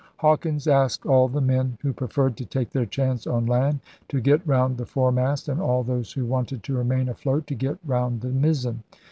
Hawkins asked all the men who preferred to take their chance on land to get round the foremast and all those who wanted to remain afloat to get round the mizzen.